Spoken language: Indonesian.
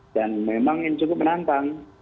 dan memang ini cukup menantang